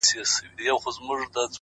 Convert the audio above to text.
کلونه کيږي چي ولاړه يې روانه نه يې!